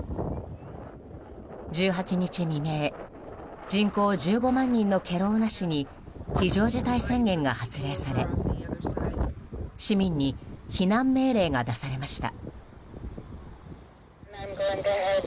１８日未明人口１５万人のケロウナ市に非常事態宣言が発令され市民に避難命令が出されました。